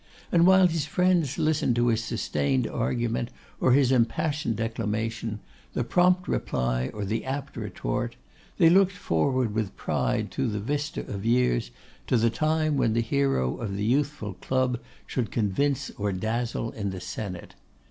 And while his friends listened to his sustained argument or his impassioned declamation, the prompt reply or the apt retort, they looked forward with pride through the vista of years to the time when the hero of the youthful Club should convince or dazzle in the senate.